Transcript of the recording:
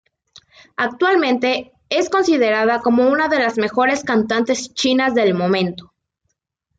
Actualmente es considerada como una de las mejores cantantes chinas del momento.